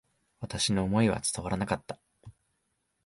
私の思いは伝わらなかった。